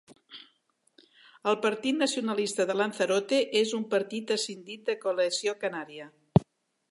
El Partit Nacionalista de Lanzarote és un partit escindit de Coalició Canària.